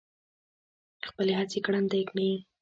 خپلې هڅې ګړندۍ کړي.